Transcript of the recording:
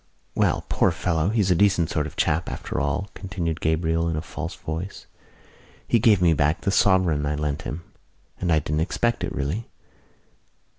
"Well, poor fellow, he's a decent sort of chap after all," continued Gabriel in a false voice. "He gave me back that sovereign I lent him, and I didn't expect it, really.